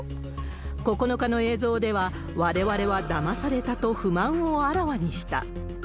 ９日の映像では、われわれはだまされたと、不満をあらわにした。